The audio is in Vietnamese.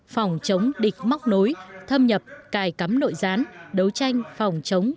phòng chống địch móc nối thâm nhập cài cắm nội gián đấu tranh phòng chống